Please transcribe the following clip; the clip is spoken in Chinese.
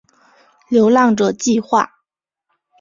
流浪者计画